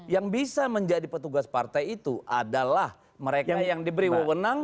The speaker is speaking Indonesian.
yang bisa menjadi petugas partai itu adalah mereka yang diberi wawonan